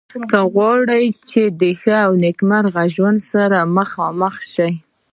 که غواړو چې د ښه او نیکمرغه ژوند سره مخامخ شو.